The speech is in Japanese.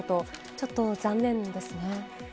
ちょっと残念ですね。